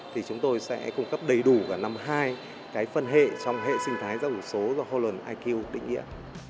thì chúng tôi sẽ cung cấp đầy đủ vào năm hai cái phân hệ trong hệ sinh thái giáo dục số do holon iq định nghĩa